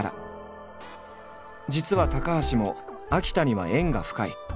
実は高橋も秋田には縁が深い。